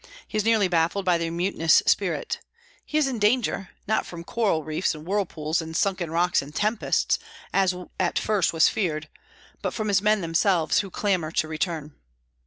He is nearly baffled by their mutinous spirit. He is in danger, not from coral reefs and whirlpools and sunken rocks and tempests, as at first was feared, but from his men themselves, who clamor to return.